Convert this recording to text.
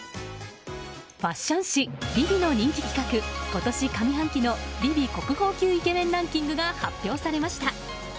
ファッション誌「ＶｉＶｉ」の人気企画今年上半期のＶｉＶｉ国宝級イケメンランキングが発表されました。